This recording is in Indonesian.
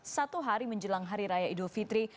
satu hari menjelang hari raya idul fitri